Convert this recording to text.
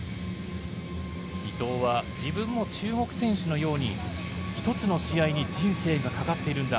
伊藤は自分も中国選手のように１つの試合に人生がかかっているんだ。